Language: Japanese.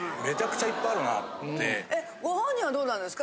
ご本人はどうなんですか？